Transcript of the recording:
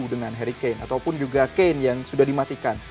dengan harry kane ataupun juga kane yang sudah dimatikan